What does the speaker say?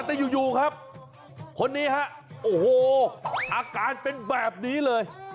แต่อยู่ครับคนนี้อาการเป็นแบบนี้เลย